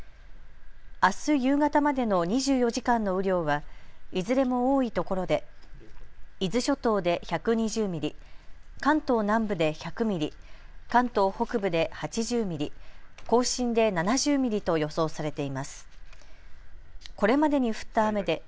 あす夕方までの２４時間の雨量はいずれも多い所で伊豆諸島で１２０ミリ、関東南部で１００ミリ、関東北部で８０ミリ、甲信で７０ミリと予想されています。